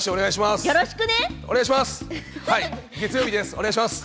お願いします。